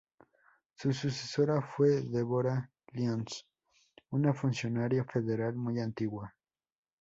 Su sucesora fue Deborah Lyons, una funcionaria federal muy antigua.